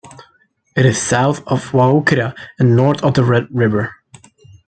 It is south of Waurika and north of the Red River.